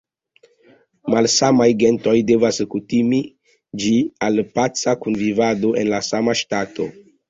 Malsamaj gentoj devas kutimiĝi al paca kunvivado en la sama ŝtato.